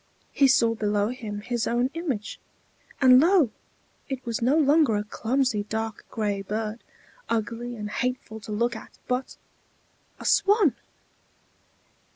He saw below him his own image; and lo! it was no longer a clumsy dark gray bird, ugly and hateful to look at, but a swan!